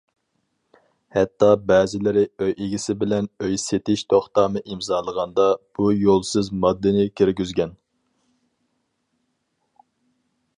ھەتتا بەزىلىرى ئۆي ئىگىسى بىلەن ئۆي سېتىش توختامى ئىمزالىغاندا، بۇ‹‹ يولسىز›› ماددىنى كىرگۈزگەن.